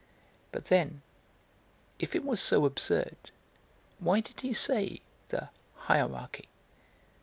But then, if it was so absurd, why did he say the 'hierarchy'?